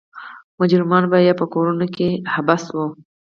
مجرمان به یا په کورونو کې حبس وو.